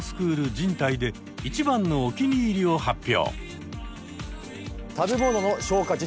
人体で一番のお気に入りを発表！